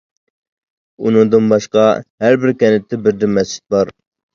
ئۇنىڭدىن باشقا ھەربىر كەنتتە بىردىن مەسچىت بار.